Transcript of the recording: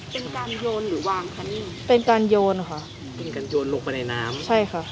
เป็นการโยนหรือวางคะนี่เป็นการโยนค่ะเป็นการโยนลงไปในน้ำใช่ค่ะ